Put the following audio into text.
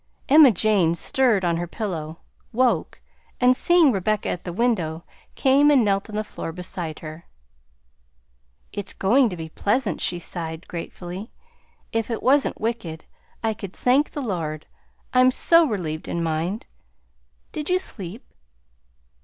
Emma Jane stirred on her pillow, woke, and seeing Rebecca at the window, came and knelt on the floor beside her. "It's going to be pleasant!" she sighed gratefully. "If it wasn't wicked, I could thank the Lord, I'm so relieved in mind! Did you sleep?"